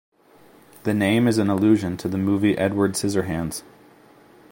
The name is an allusion to the movie "Edward Scissorhands".